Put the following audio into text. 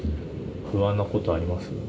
不安なことあります？